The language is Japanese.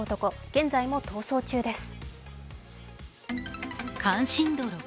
現在も逃走中です。